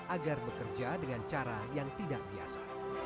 agar bekerja dengan cara yang tidak biasa